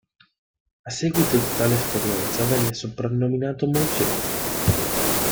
A seguito di tale esperienza venne soprannominato "Monsieur".